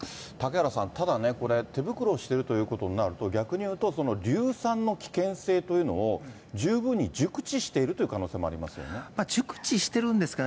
嵩原さん、ただね、これ、手袋してるということになると、逆に言うと、その硫酸の危険性というのを十分に熟知しているという可能性もあ熟知してるんですかね。